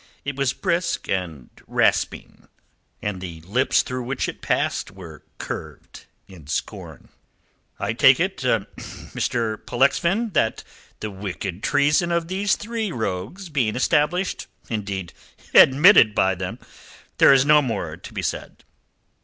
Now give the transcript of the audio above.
It was brisk and rasping, and the lips through which it passed were curved in scorn. "I take it, Mr. Pollexfen, that the wicked treason of these three rogues being established indeed, admitted by them there is no more to be said."